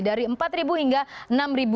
dari rp empat hingga rp tiga puluh delapan